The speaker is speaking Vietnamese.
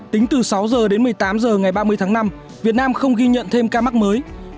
tính từ sáu h đến một mươi tám h ngày ba mươi tháng năm việt nam không ghi nhận thêm ca mắc mới